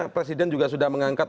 presiden juga sudah mengangkat